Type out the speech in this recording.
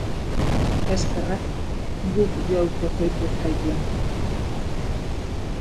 Eskerrak guk geu pozoitu ez gaituen.